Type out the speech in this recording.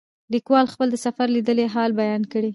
لیکوال خپل د سفر لیدلی حال بیان کړی.